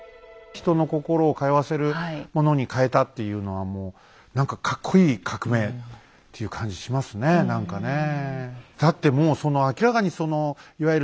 人の心を通わせるものに変えたっていうのはもう何かかっこいい革命っていう感じしますね何かねえ。